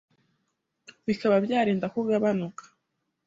bikaba byarinda ko ugabanuka